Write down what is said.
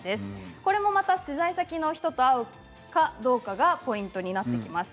これもまた取材先の人と会うかどうかがポイントになってきます。